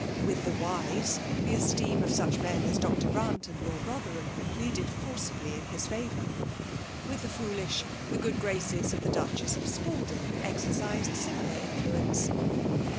With the wise, the esteem of such men as Dr. Grant and Lord Rotherham, pleaded forcibly in his favour. With the ft)olish, the good graces of the Duchess of Spalding exercised similar influence.